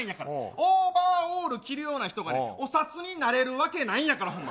オーバーオール着るような人がね、お札になれるわけないんやから、ほんま。